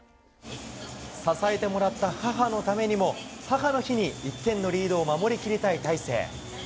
支えてもらった母のためにも、母の日に１点のリードを守りきりたい大勢。